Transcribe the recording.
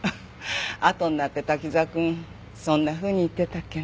あとになって滝沢くんそんなふうに言ってたっけね。